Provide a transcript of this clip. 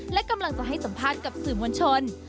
และกำลังจะให้สัมภาษณ์กับสื่อมวลชน